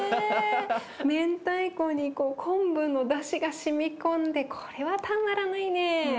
明太子に昆布のだしがしみ込んでこれはたまらないね。